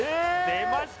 出ました